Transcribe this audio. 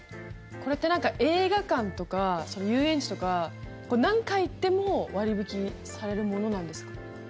これって映画館とか遊園地とか何回行っても割引されるものなんですか？